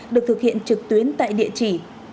được thực hiện trực tuyến tại địa chỉ